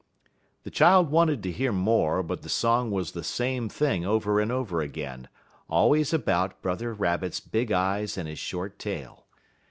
_" The child waited to hear more, but the song was the same thing over and over again always about Brother Rabbit's big eyes and his short tail.